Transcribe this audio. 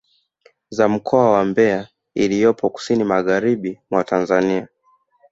Za mkoa wa Mbeya iliyopo kusini magharibi mwa Tanzania